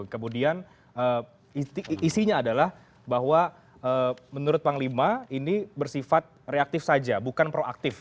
kemudian isinya adalah bahwa menurut panglima ini bersifat reaktif saja bukan proaktif